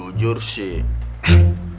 kalau boleh jujur sih